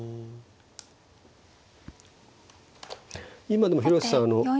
今でも広瀬さん